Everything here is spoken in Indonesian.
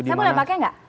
saya boleh pakai nggak